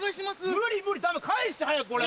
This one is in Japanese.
無理無理返して早くこれ。